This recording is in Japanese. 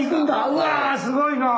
うわすごいなあ！